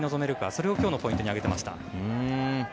それを今日のポイントに挙げていました。